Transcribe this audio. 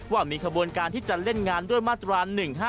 ว่ามีขบวนการที่จะเล่นงานด้วยมาตรา๑๕